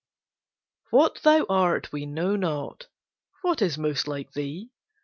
What thou art we know not; What is most like thee?